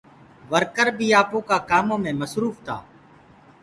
ورڪر بي آپو ڪآ ڪآمو مي تمآم مسروڦ تآ۔